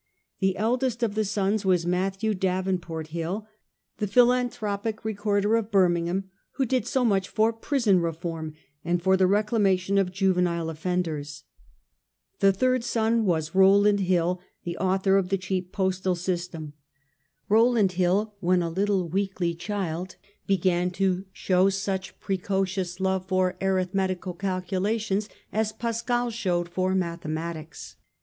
The eldest of the sons was Matthew Davenport Hill, the philanthropic recorder of Birmingham, who did so much for prison reform and for the reclamation of juvenile offenders. The third son was Rowland Hill, the author of the cheap postal system. Rowland Hill when a little weakly child began to show some such precocious love for arithmetical calculations as Pascal showed for mathe matics.